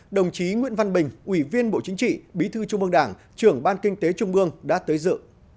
đồng chí nguyễn văn bình ủy viên bộ chính trị bí thư trung mương đảng trưởng ban kinh tế trung ương đã tới dự